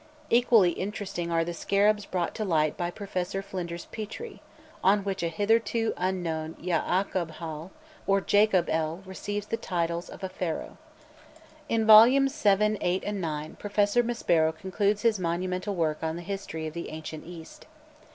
Equally interesting are the scarabs brought to light by Professor Flinders Pétrie, on which a hitherto unknown Ya'aqob hal or Jacob el receives the titles of a Pharaoh. In volumes VII., VIII., and IX., Professor Maspero concludes his monumental work on the history of the ancient East.